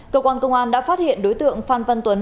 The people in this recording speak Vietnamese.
cơ quan công an đã phát hiện đối tượng phan văn tuấn